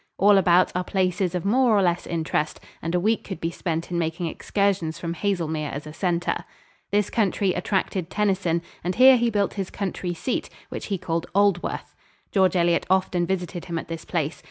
All about are places of more or less interest and a week could be spent in making excursions from Haselmere as a center. This country attracted Tennyson, and here he built his country seat, which he called Aldworth. George Eliot often visited him at this place.